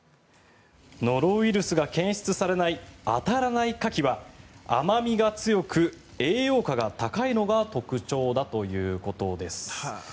ノロウイルスが検出されないあたらないカキは甘味が強く、栄養価が高いのが特徴だということです。